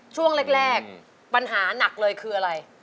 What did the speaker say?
ช่วงแรกปัญหาหนักเลยคืออะไร